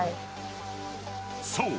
［そう。